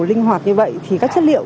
linh hoạt như vậy thì các chất liệu